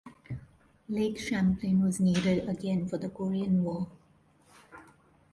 "Lake Champlain" was needed again for the Korean War.